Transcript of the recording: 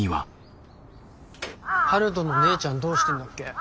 陽斗の姉ちゃんどうしてんだっけ？